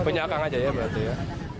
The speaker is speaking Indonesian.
penyakang aja ya berarti ya